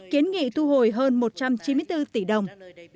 kiến nghị thu hồi hơn một trăm chín mươi bốn tỷ đồng